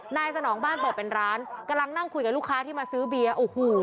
สนองบ้านเปิดเป็นร้านกำลังนั่งคุยกับลูกค้าที่มาซื้อเบียร์โอ้โห